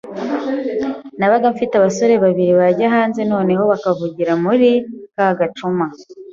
nabaga mfite abasore babiri bajya hanze noneho bakavugira muri ka gacuma